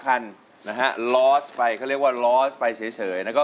เชตเข้าทาง